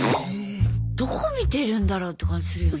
どこ見てるんだろうって感じするよね。